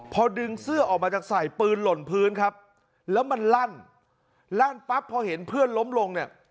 พอดึงเสื้อออกมาจากใส่ปืนหล่นพื้นครับแล้วมันลั่นลั่นปั๊บพอเห็นเพื่อนล้มลงเนี่ย